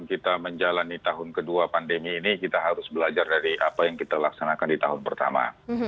kita menjalani tahun kedua pandemi ini kita harus belajar dari apa yang kita laksanakan di tahun pertama